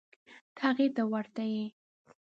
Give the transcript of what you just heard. ته هغې ته ورته یې.